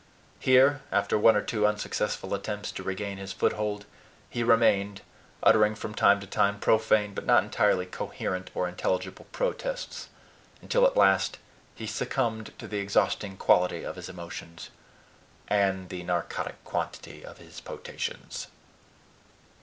Here, after one or two unsuccessful attempts to regain his foothold, he remained, uttering from time to time profane but not entirely coherent or intelligible protests, until at last he succumbed to the exhausting quality of his emotions, and the narcotic quantity of his potations.